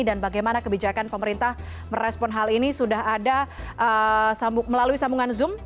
dan bagaimana kebijakan pemerintah merespon hal ini sudah ada melalui sambungan zoom